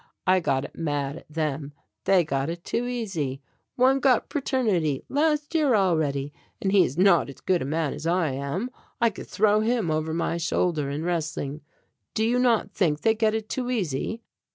I got it mad at them; they got it too easy. One got paternity last year already, and he is not as good a man as I am. I could throw him over my shoulder in wrestling. Do you not think they get it too easy?"